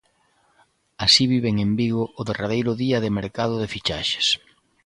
Así viven en Vigo o derradeiro día de mercado de fichaxes.